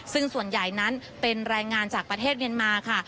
ซึ่งส่วนใหญ่นั้นเป็นแรงงานจากประเทศเมียนมาค่ะ